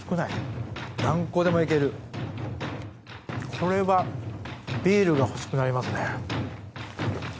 これはビールが欲しくなりますね。